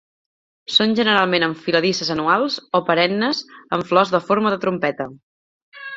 Són generalment enfiladisses anuals o perennes amb flors de forma de trompeta.